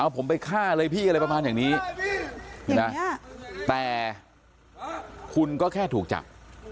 เอาผมไปฆ่าเลยพี่อะไรประมาณอย่างนี้อย่างนี้นะฮะแหมขุนเขาก็แค่ตอบจาก